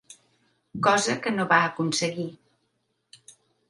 Cosa que no va aconseguir.